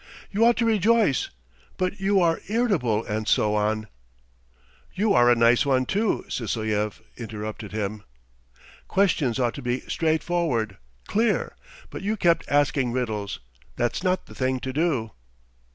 "You ought to rejoice, but you are irritable and so on." "You are a nice one, too," Sysoev interrupted him. "Questions ought to be straightforward, clear, but you kept asking riddles. That's not the thing to do!"